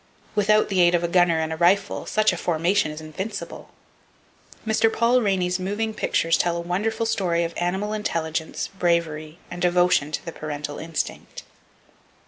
Without the aid of a gunner and a rifle, such a formation is invincible! Mr. Paul Rainey's moving pictures tell a wonderful story of animal intelligence, bravery and devotion to the parental instinct.